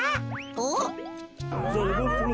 おっ？